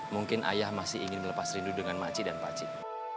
mungkin ayah masih ingin melepas rindu dengan maci dan pacit